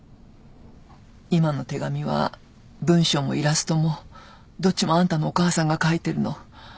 今の手紙は文章もイラストもどっちもあんたのお母さんがかいてるの。